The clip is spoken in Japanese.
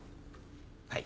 はい。